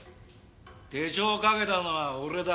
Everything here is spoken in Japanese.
手錠をかけたのは俺だ。